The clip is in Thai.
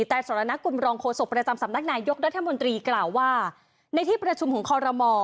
แต่สรณกุลรองโฆษกประจำสำนักนายยกรัฐมนตรีกล่าวว่าในที่ประชุมของคอรมอ